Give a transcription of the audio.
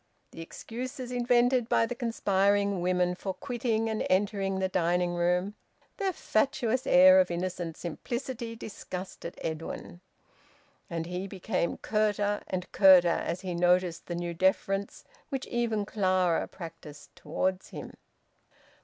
The excuses invented by the conspiring women for quitting and entering the dining room, their fatuous air of innocent simplicity, disgusted Edwin. And he became curter and curter, as he noticed the new deference which even Clara practised towards him.